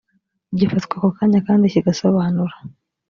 gifatwa ako kanya kandi kigasobanura